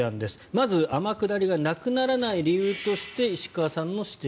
まず天下りがなくならない理由として石川さんの指摘